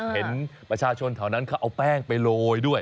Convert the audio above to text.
เห็นประชาชนแถวนั้นเขาเอาแป้งไปโรยด้วย